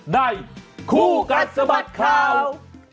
ในคู่กัดสะบัดข่าว